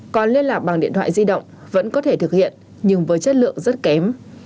còn liên lạc bằng điện thoại di động vẫn có thể thực hiện nhưng với chất lượng rất kém